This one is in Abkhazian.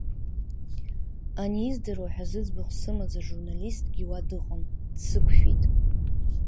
Ани издыруаз ҳәа зыӡбахә сымаз ажурналистгьы уа дыҟан, дсықәшәеит.